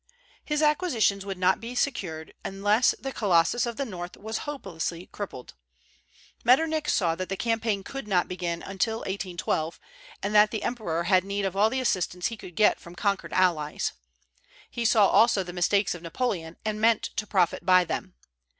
His acquisitions would not be secure unless the Colossus of the North was hopelessly crippled. Metternich saw that the campaign could not begin till 1812, and that the Emperor had need of all the assistance he could get from conquered allies. He saw also the mistakes of Napoleon, and meant to profit by them.